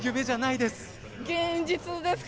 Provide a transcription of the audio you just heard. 現実ですか？